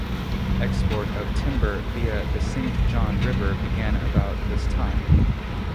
Export of timber via the Saint John river began about this time.